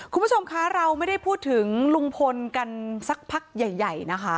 คุณผู้ชมคะเราไม่ได้พูดถึงลุงพลกันสักพักใหญ่นะคะ